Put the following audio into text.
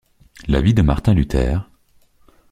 La vie de Martin Luther,